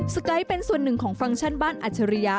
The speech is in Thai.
ไกด์เป็นส่วนหนึ่งของฟังก์ชั่นบ้านอัจฉริยะ